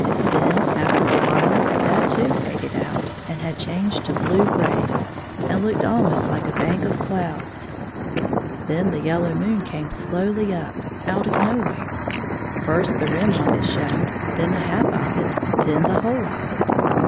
Then, after awhile, that too had faded out, and had changed to blue gray, and looked almost like a bank of clouds. Then the yellow moon came slowly up, out of nowhere. First the rim of it showed, then the half of it, then the whole of it.